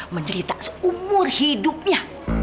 menderita seumur hidupnya